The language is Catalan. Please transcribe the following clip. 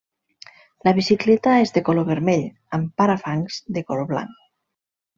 La bicicleta és de color vermell, amb parafangs de color blanc.